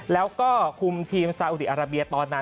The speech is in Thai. แล้วก็คุมทีมซาอุดีอาราเบียตอนนั้น